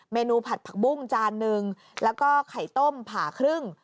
นูผัดผักบุ้งจานหนึ่งแล้วก็ไข่ต้มผ่าครึ่ง